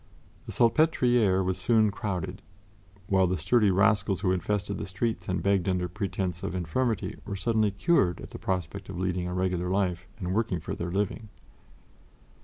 The Salpêtrière was soon crowded, while the sturdy rascals who infested the streets and begged under pretense of infirmity were suddenly cured at the prospect of leading a regular life and working for their living.